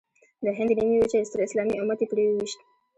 د هند د نیمې وچې ستر اسلامي امت یې پرې وويشت.